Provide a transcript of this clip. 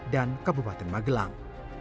dan kabupaten magelang